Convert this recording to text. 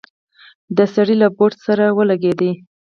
د سړي له بوټ سره ولګېده.